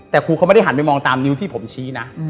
แต่ครูเขาไม่ได้หันไปมองตามนิ้วที่ผมชี้นะ